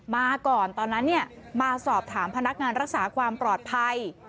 มาก่อนตอนนั้นมาสอบถามพนักงานรักษาความปลอดภัย